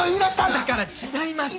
だから違います。